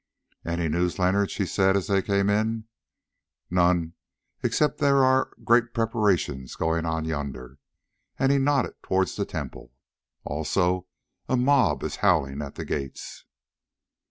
"Any news, Leonard?" she said as they came in. "None, except that there are great preparations going on yonder," and he nodded towards the temple; "also a mob is howling at the gates."